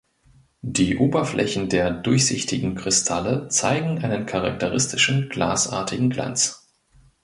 Die Oberflächen der durchsichtigen Kristalle zeigen einen charakteristischen glasartigen Glanz.